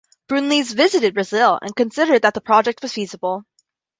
Brunlees visited Brazil and considered that the project was feasible.